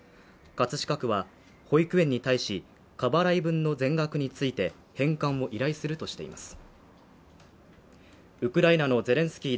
葛飾区は保育園に対し過払い分の全額について返還を依頼するとしています